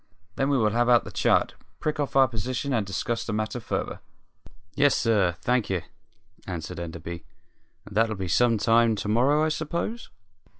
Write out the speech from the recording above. Then we will have out the chart, prick off our position, and discuss the matter further." "Yes, sir; thank 'e," answered Enderby. "And that'll be some time to morrow, I s'pose?"